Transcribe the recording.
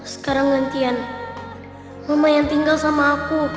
sekarang gantian mama yang tinggal sama aku